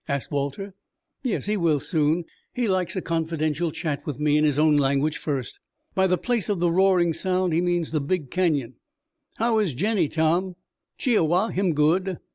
asked Walter. "Yes, he will soon. He likes a confidential chat with me in his own language first. By 'the place of the roaring sound' he means the big Canyon. How is Jennie, Tom?" "Chi i wa him good."